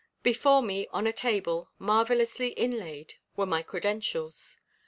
Before me on a table, marvellously inlaid, were my credentials.